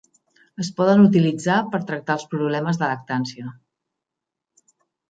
Es poden utilitzar per tractar els problemes de lactància.